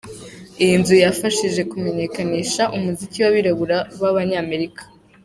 Iyi nzu yafashije kumenyekanisha umuziki w’abirabura b’abanyamerika.